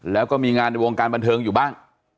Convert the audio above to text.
แล้วก็มีงานในวงการบันเทิงอยู่บ้าง